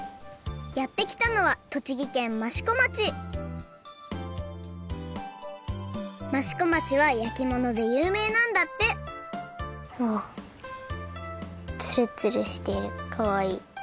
やってきたのは益子町はやきものでゆうめいなんだってあっツルツルしてるかわいい。